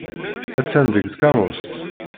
Attan deg tkeṛṛust.